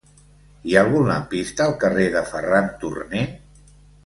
Hi ha algun lampista al carrer de Ferran Turné?